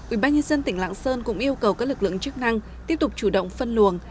ubnd tỉnh lạng sơn cũng yêu cầu các lực lượng chức năng tiếp tục chủ động phân luồng